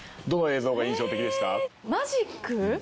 どの映像が印象的でした？